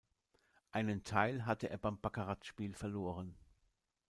Einen Teil hatte er beim Baccarat-Spiel verloren.